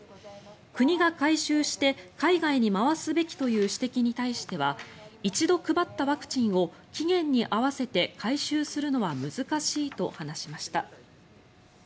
国が回収して、海外に回すべきという指摘に対しては一度配ったワクチンを期限に合わせて回収するのは難しいと話しました。